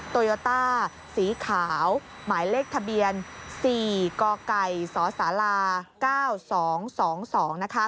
โตโยต้าสีขาวหมายเลขทะเบียน๔กไก่สศ๙๒๒นะคะ